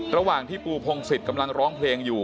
ระหว่างที่ปูพงศิษย์กำลังร้องเพลงอยู่